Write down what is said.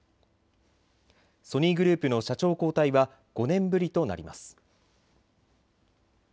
ソニーグループの社長交代は５年ぶりとなります。